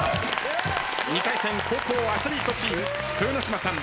２回戦後攻アスリートチーム豊ノ島さん